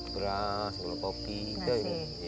beras kelopok pika ini